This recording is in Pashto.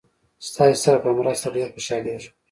ستاسې سره په مرسته ډېر خوشحالیږم.